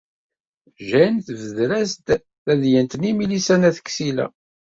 Jane tebder-as-d tadyant-nni i Milisa n At Ksila.